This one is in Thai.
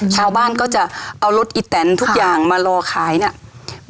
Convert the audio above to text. ชาวบ้านก็จะเอารถอีแตนทุกอย่างมารอขายเนี่ย